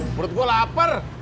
menurut gue lapar